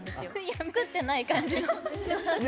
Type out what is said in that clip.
作ってない感じの。